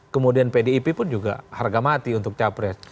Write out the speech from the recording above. kemudian pdip pun juga harga mati untuk capres